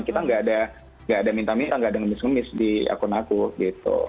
kita nggak ada minta minta nggak ada ngemis ngemis di akun aku gitu